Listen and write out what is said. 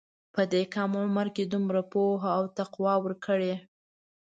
په دې کم عمر دومره پوهه او تقوی ورکړې.